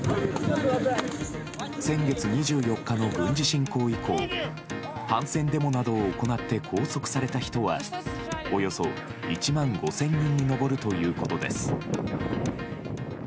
先月２４日の軍事侵攻以降反戦デモなどを行って拘束された人はおよそ１万５０００人に上るということです。